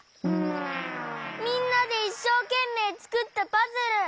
みんなでいっしょうけんめいつくったパズル！